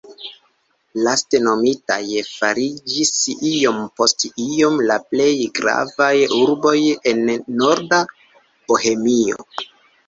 Laste nomitaj fariĝis iom post iom la plej gravaj urboj en norda Bohemio.